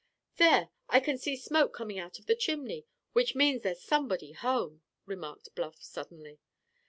"There, I can see smoke coming up out of the chimney, which means there's somebody home!" remarked Bluff suddenly.